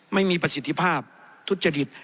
ไม่มีประสิทธิภาพทุจริต